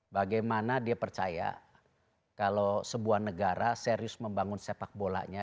bagaimana dia percaya kalau sebuah negara serius membangun sepak bolanya